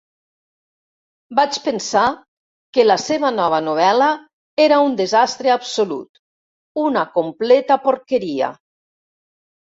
Vaig pensar que la seva nova novel·la era un desastre absolut. Una completa porqueria.